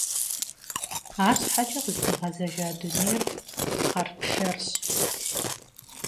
Арщхьэкӏэ къыздигъэзэжа дунейр хъарпшэрщ.